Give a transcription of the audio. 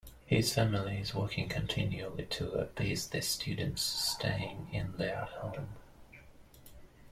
His family is working continually to appease the students staying in their home.